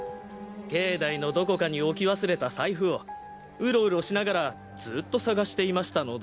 境内のどこかに置き忘れた財布をウロウロしながらずっと探していましたので。